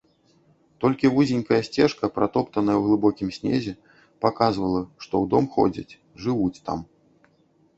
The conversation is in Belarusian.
Толькі вузенькая сцежка, пратоптаная ў глыбокім снезе, паказвала, што ў дом ходзяць, жывуць там.